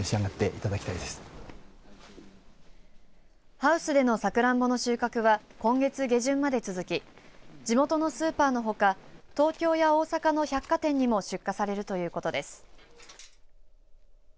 ハウスでのさくらんぼの収穫は今月下旬まで続き地元のスーパーのほか東京や大阪の百貨店にも出荷されるということです。